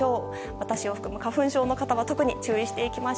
私を含む花粉症の方は特に注意してください。